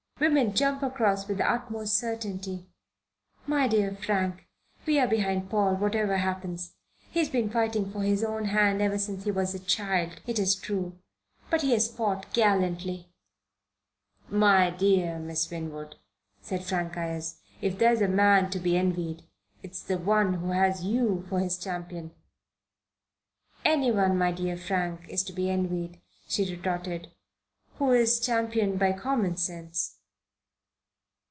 Women jump across with the utmost certainty. My dear Frank, we're behind Paul, whatever happens. He has been fighting for his own hand ever since he was a child, it is true. But he has fought gallantly." "My dear Miss Winwood," said Frank Ayres, "if there's a man to be envied, it's the one who has you for his champion!" "Anyone, my dear Frank, is to be envied," she retorted, "who is championed by common sense."